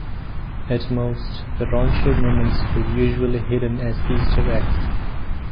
At most, the raunchier moments were usually hidden as Easter eggs.